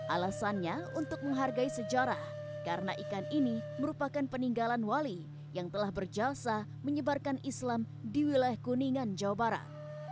alasannya untuk menghargai sejarah karena ikan ini merupakan peninggalan wali yang telah berjasa menyebarkan islam di wilayah kuningan jawa barat